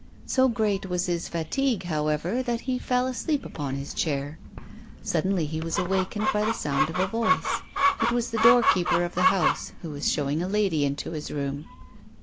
So great was his fatigue, however, that he fell asleep upon his chair. Suddenly he was awakened by the sound of a voice. It was the doorkeeper of the house, who was showing a lady into his room.